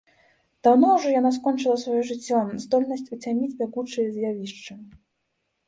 Даўно ўжо яна скончыла сваё жыццё, здольнасць уцяміць бягучыя з'явішчы.